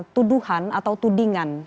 tuduhan atau tudingan